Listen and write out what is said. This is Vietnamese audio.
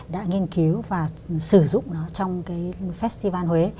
đã nghiên cứu và sử dụng nó trong cái festival huế